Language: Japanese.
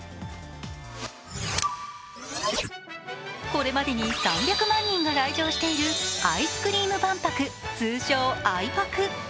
これまでに３００万にんが来場しているアイスクリーム万博、通称、あいぱく。